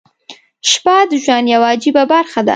• شپه د ژوند یوه عجیبه برخه ده.